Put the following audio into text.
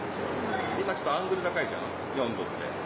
今ちょっと、アングル高いじゃん。